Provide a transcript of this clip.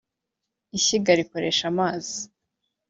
Ishyiga rikoresha amazi